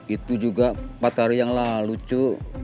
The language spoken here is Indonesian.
itu juga empat hari yang lalu cu